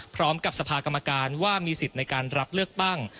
พร้อมกับสภากรรมการว่ามีสิทธิ์ในการรับเลือกตั้ง